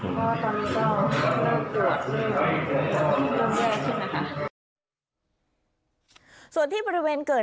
ตอนนี้ก็เริ่มตรวจกลับไปด้านแรก